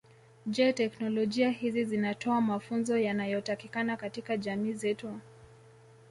Je teknolojia hizi zinatoa mafunzo yanayotakikana katika jamii zetu